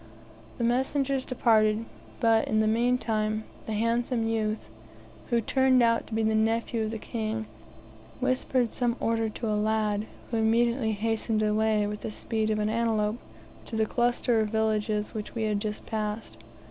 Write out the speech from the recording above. The messengers departed; but, in the meantime, the handsome youth, who turned out to be the nephew of the King, whispered some order to a lad, who immediately hastened away, with the speed of an antelope, to the cluster of villages which we had just passed.